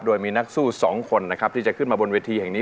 โดยมีนักสู้สองคนนะครับที่จะขึ้นมาบนเวทีแห่งนี้